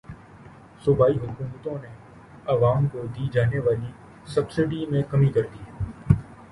صوبائی حکومتوں نے عوام کو دی جانے والی سبسڈی میں کمی کردی